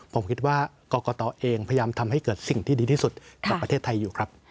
ผมคิดว่ากรกตเองพยายามทำให้เกิดสิ่งที่ดีที่สุดกับประเทศไทยอยู่ครับ